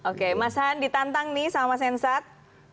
oke mas han ditantang nih sama sensat